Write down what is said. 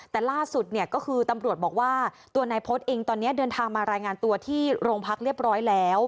แต่ล่าสุดเนี่ยก็คือตำรวจบอกว่าตัวนายพฤษเองตอนนี้เดินทางมารายงานตัวที่โรงพักเรียบร้อยแล้ว